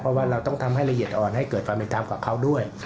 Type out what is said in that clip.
เพราะว่าเราต้องทำให้ละเอียดอ่อนให้เกิดความเป็นธรรมกับเขาด้วย